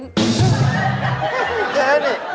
ไม่เคสนิ